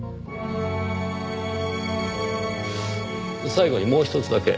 最後にもうひとつだけ。